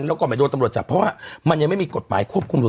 แล้วก็ไม่โดนตำรวจจับเพราะว่ามันยังไม่มีกฎหมายควบคุมตัว